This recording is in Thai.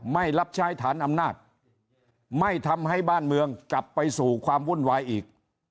ไม่รับใช้ฐานอำนาจไม่ทำให้บ้านเมืองกลับไปสู่ความวุ่นวายอีก